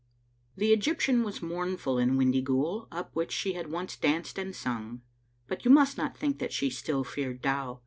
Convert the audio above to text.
The Egyptian was mournful in Windyghoul, up which she had once danced and sung; but you must not think that she still feared Dow.